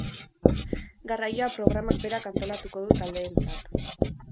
Garraioa programak berak antolatuko du taldeentzat.